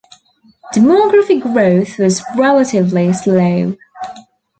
Demographic growth was relatively slow.